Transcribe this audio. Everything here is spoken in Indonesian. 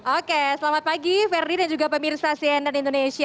oke selamat pagi ferdi dan juga pemirsa cnn indonesia